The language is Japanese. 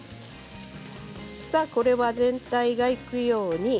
これは全体にいくように。